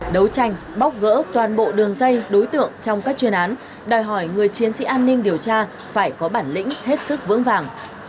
đấu tranh bóc gỡ toàn bộ đường dây đối tượng trong các chuyên án đòi hỏi người chiến sĩ an ninh điều tra phải có bản lĩnh hết sức vững vàng